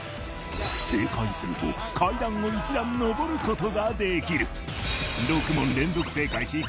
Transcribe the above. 正解すると階段を１段上ることができる６問連続正解しＱ